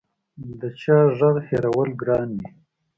د چا غږ هېرول ګران وي